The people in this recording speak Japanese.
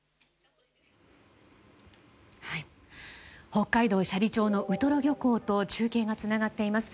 北海道斜里町のウトロ漁港と中継がつながっています。